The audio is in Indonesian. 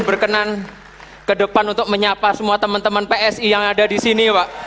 bapak prabowo bapak prabowo ayo dikarasi taruh keseh